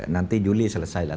nanti juli selesailah